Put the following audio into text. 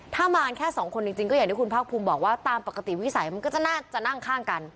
ถ้ามากันแค่สองคนจริงก็อย่างที่คุณภาคภูมิบอกว่าตามปกติวิสัยมันก็จะน่าจะนั่งข้างกัน